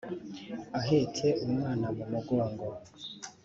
ahetse umwana mu mugongo